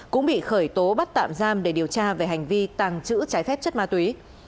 cũng bị khởi tố bắt tạm giam để điều tra về hành vi tàng trữ trái phép chất ma túy